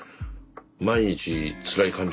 毎日つらい感じ？